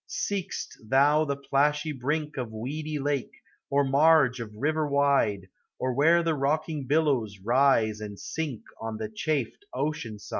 Seek'st thou the plashy brink Of weedy lake, or marge of river wide, Or where the rocking billows rise and sink On the chafed ocean side?